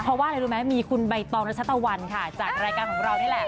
เพราะว่าอะไรรู้ไหมมีคุณใบตองรัชตะวันค่ะจากรายการของเรานี่แหละ